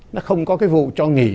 nó không có cái vụ cho nghỉ